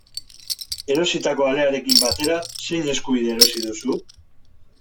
Erositako alearekin batera, zein eskubide erosi duzu?